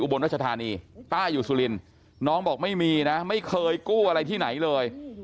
บนรัชธานีป้าอยู่สุรินทร์น้องบอกไม่มีนะไม่เคยกู้อะไรที่ไหนเลย